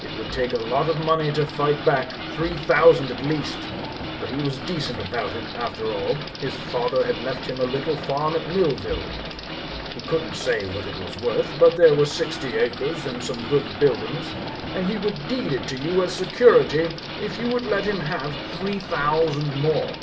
It would take a lot of money to fight back three thousand, at least. But he was decent about it, after all. His father had left him a little farm at Millville. He couldn't say what it was worth, but there were sixty acres and some good buildings, and he would deed it to you as security if you would let him have three thousand more."